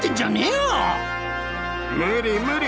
無理無理！